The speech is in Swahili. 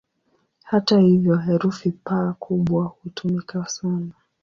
Hata hivyo, herufi "P" kubwa hutumika sana.